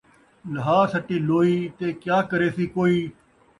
لہا سٹی لوئی تے کیا کریسی کوئی